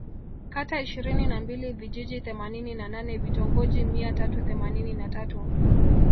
Kata ishirini na mbili Vijiji themanini na nane Vitongoji mia tatu themanini na tatu